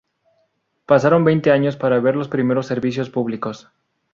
Pasaron veinte años para ver los primeros servicios públicos.